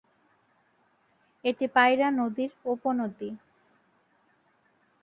এটি পায়রা নদীর উপনদী।